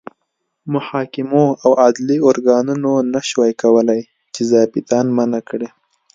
محاکمو او عدلي ارګانونو نه شوای کولای چې ظابیطان منع کړي.